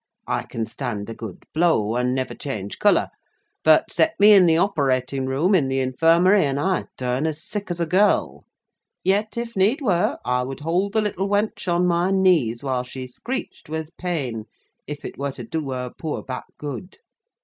I can stand a good blow, and never change colour; but, set me in the operating room in the infirmary, and I turn as sick as a girl. Yet, if need were, I would hold the little wench on my knees while she screeched with pain, if it were to do her poor back good.